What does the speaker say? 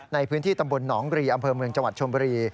ในพื้นที่ตำบลหนองรีอำเภอเมืองจังหวัดชมบุรี